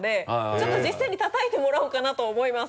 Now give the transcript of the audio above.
ちょっと実際に叩いてもらおうかなと思います。